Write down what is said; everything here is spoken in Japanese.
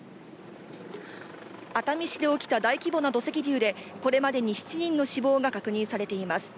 熱海市で起きた大規模な土石流で、これまでに７人の死亡が確認されています。